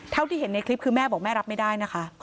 เท่าที่เห็นในคลิปคือแม่บอกแม่รับไม่ได้นะคะ